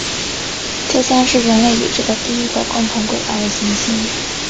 这将是人类已知的第一个共同轨道的行星。